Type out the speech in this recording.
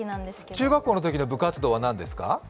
中学校のときの部活動は何ですか？